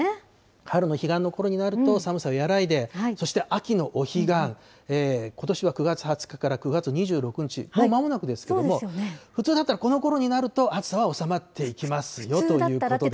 春の彼岸のころになると寒さ和らいで、そして秋のお彼岸、ことしは９月２０日から９月２６日、もうまもなくですけども、普通だったらこのころになると暑さは収まっていきますよということですね。